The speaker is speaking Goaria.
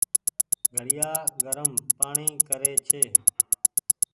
گھڙيآ گرم پآڻيٚ ڪري ڇي۔